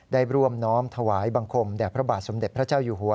ได้ร่วมน้อมถวายบังคมแด่พระบาทสมเด็จพระเจ้าอยู่หัว